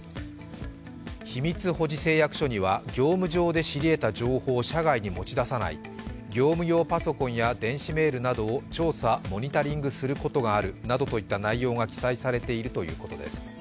秘密保持誓約書には、業務上で知り得た情報を社外に持ち出さない、業務用パソコンや電子メールなどを調査・モニタリングすることがあるなどといった内容が含まれているということです。